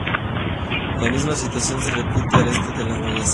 La misma situación se repite al este de la Wallacea.